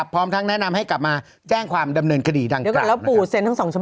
พร้อมทั้งแนะนำให้กลับมาแจ้งความดำเนินคดีดั่งกล้าว